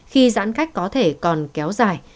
khi giãn cách có thể còn kéo dài